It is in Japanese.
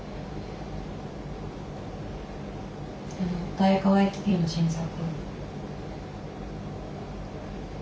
タイカ・ワイティティの新作。